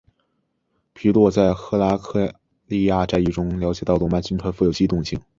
皮洛士在赫拉克利亚战役中了解到罗马军团富有机动性。